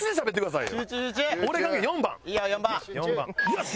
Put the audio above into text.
よし！